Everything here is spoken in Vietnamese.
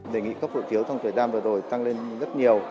đề nghị cấp hộ chiếu trong thời gian vừa rồi tăng lên rất nhiều